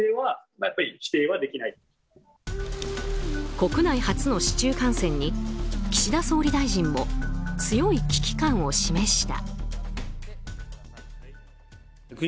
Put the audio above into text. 国内初の市中感染に岸田総理大臣も強い危機感を示した。